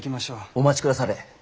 お待ちくだされ。